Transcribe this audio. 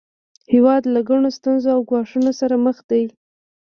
هیواد له ګڼو ستونزو او ګواښونو سره مخ دی